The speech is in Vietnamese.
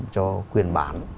cho quyền bán